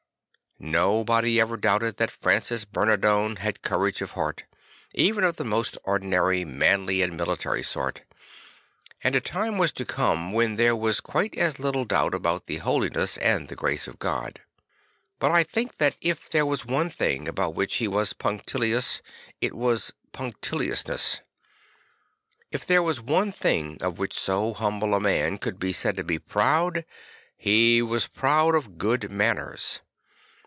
Nobody ever doubted that Francis Bernardone had courage of heart, even of the most ordinary manly and military sort; and a time was to come when there was quite as little doubt about the holiness and the grace of God. But I think that if there was one thing a bout which he was punc tilious, it was punctiliousness, If there was one thing of which so humble a maD could be said to be proud, he was proud of good manners.